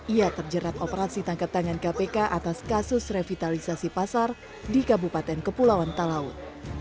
ia terjerat operasi tangkap tangan kpk atas kasus revitalisasi pasar di kabupaten kepulauan talaut